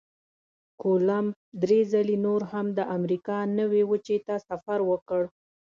کولمب درې ځلې نور هم د امریکا نوي وچې ته سفر وکړ.